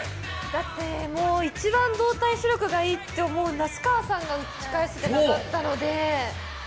だってもう、一番動体視力がいいっていう那須川さんが打ち返せてなかったので。